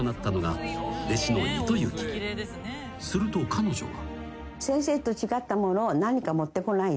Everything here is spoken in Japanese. ［すると彼女は］